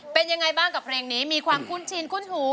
เป็นยังไงบ้างกับเพลงนี้มีความคุ้นชินคุ้นหู